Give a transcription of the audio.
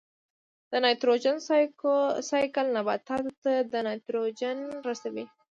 د نایټروجن سائیکل نباتاتو ته نایټروجن رسوي.